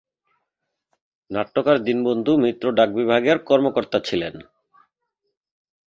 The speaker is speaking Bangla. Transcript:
নাট্যকার দীনবন্ধু মিত্র ডাক বিভাগের কর্মকর্তা ছিলেন।